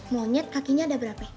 monyet kakinya ada berapa